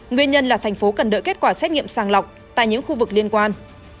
nguyên nhân là thành phố cần đợi kết quả xét nghiệm sàng lọc tại những khu vực liên quan